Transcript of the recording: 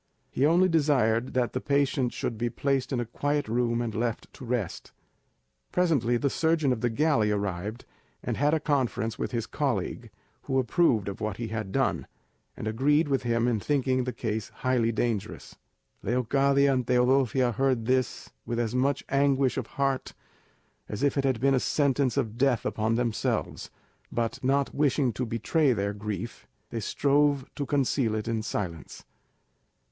He only desired that the patient should be placed in a quiet room and left to rest. Presently the surgeon of the galley arrived, and had a conference with his colleague, who approved of what he had done, and agreed with him in thinking the case highly dangerous. Leocadia and Teodosia heard this with as much anguish of heart as if it had been a sentence of death upon themselves; but not wishing to betray their grief, they strove to conceal it in silence.